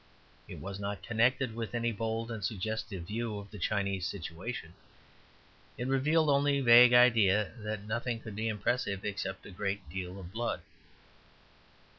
It was not connected with any bold and suggestive view of the Chinese situation. It revealed only a vague idea that nothing could be impressive except a great deal of blood.